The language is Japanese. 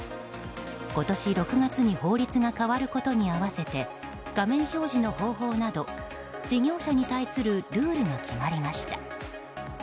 今年６月に法律が変わることに合わせて画面表示の方法など事業者に対するルールが決まりました。